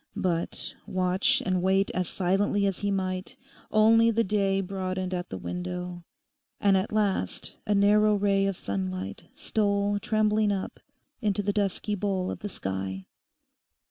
But, watch and wait as silently as he might, only the day broadened at the window, and at last a narrow ray of sunlight stole trembling up into the dusky bowl of the sky.